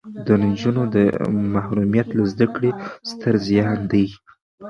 د نجونو محرومیت له زده کړې ستر زیان دی.